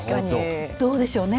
どうでしょうね。